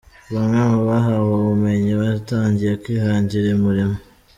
Bamwe mu bahawe ubumenyi batangiye kwihangira umurimo.